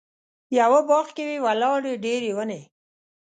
یوه باغ کې وې ولاړې ډېرې ونې.